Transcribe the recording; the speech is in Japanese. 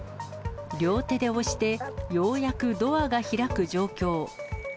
両手で押して、ようやくドアが開く状況。